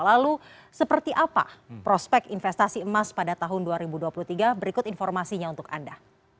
lalu seperti apa prospek investasi emas pada tahun dua ribu dua puluh tiga berikut informasinya untuk anda